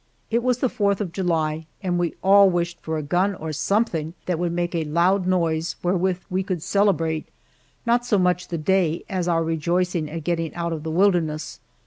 It was the Fourth of July, and we all wished for a gun or something that would make a loud noise wherewith we could celebrate not so much the day as our rejoicing at getting out of the wilderness.